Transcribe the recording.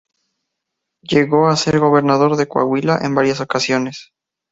Llegó a ser gobernador de Coahuila en varias ocasiones.